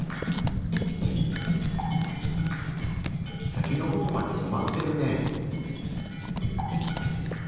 先のほうまで染まってるね。